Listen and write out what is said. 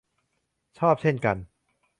ชอบเช่นกัน